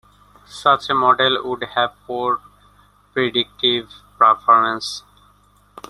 Such a model would have poor predictive performance.